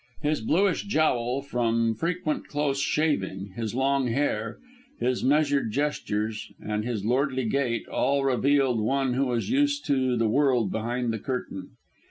His bluish jowl, from frequent close shaving, his long hair, his measured gestures, and his lordly gait all revealed one who was used to the world behind the curtain.